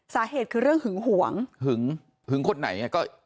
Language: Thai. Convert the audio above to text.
สาเหตุคือเรื่องหึงหวงหึงหึงคนไหนก็